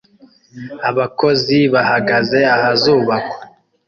Abakozi bahagaze ahazubakwa